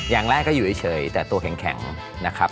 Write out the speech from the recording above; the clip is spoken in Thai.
อย่างแรกก็อยู่เฉยแต่ตัวแข็งนะครับ